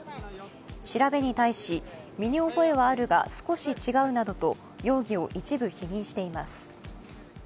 調べに対し身に覚えはあるが、少し違うなどと容疑を一部否認しています。